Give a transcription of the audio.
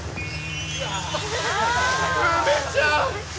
梅ちゃん。